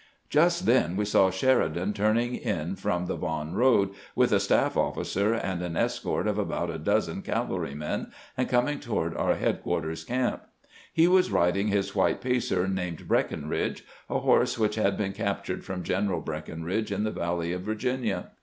Just then we saw Sheridan turning in from the Vaughan road, with a staff oflficer and an escort of about a dozen cavalrymen, and coming toward our headquar ters camp. He was riding his white pacer named " Breckinridge," a horse which had been captured from General Breckinridge in the valley of Virginia.